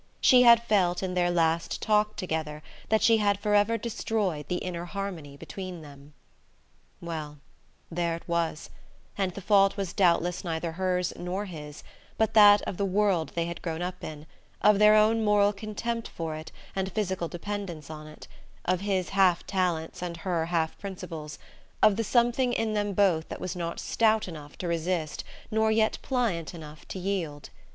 She had felt, in their last talk together, that she had forever destroyed the inner harmony between them. Well there it was, and the fault was doubtless neither hers nor his, but that of the world they had grown up in, of their own moral contempt for it and physical dependence on it, of his half talents and her half principles, of the something in them both that was not stout enough to resist nor yet pliant enough to yield.